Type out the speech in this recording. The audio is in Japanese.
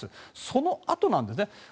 そのあとなんですね。